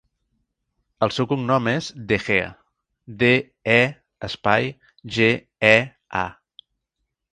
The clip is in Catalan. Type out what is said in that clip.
El seu cognom és De Gea: de, e, espai, ge, e, a.